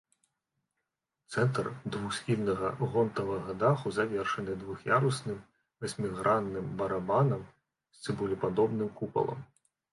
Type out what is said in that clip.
Цэнтр двухсхільнага гонтавага даху завершаны двух'ярусным васьмігранным барабанам з цыбулепадобным купалам.